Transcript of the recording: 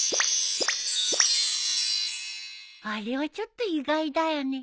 あれはちょっと意外だよね。